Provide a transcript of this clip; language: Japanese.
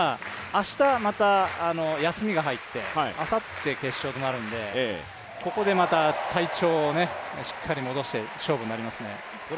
明日また、休みが入ってあさって決勝となるんでここでまた体調をしっかり戻して勝負になりますね。